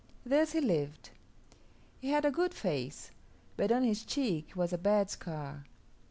Thus he lived. He had a good face, but on his cheek was a bad scar.